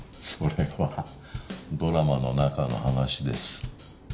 それはドラマの中の話です。